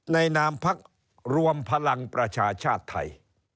นามพักรวมพลังประชาชาติไทย